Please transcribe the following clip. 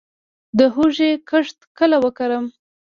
د هوږې کښت کله وکړم؟